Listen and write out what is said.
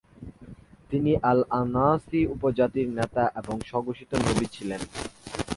তিনি আল-আনসী উপজাতির নেতা এবং স্বঘোষিত নবী ছিলেন।